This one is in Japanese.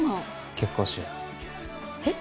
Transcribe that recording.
結婚しようえっ？